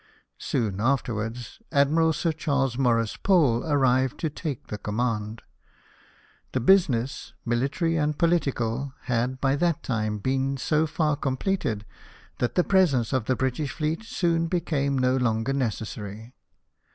Soon afterwards. Admiral Sir Charles Maurice Pole arrived to take the command. The business, military and political, had by that time been so far completed that the presence of the British fleet soon became no longer necessary.